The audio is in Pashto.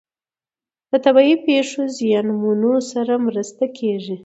د طبیعي پیښو زیانمنو سره مرسته کیږي.